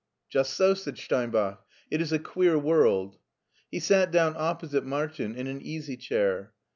*' Just so," said Steinbach. " It is a queer world.'* He sat down opposite Martin in an easy chair.